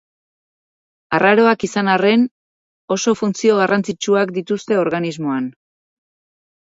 Arraroak izan arren, oso funtzio garrantzitsuak dituzte organismoan.